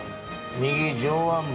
右上腕部。